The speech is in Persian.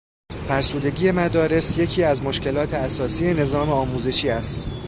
فرسودگی مدارس یکی از مشکلات اساسی نظام آموزشی است